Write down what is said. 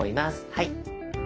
はい。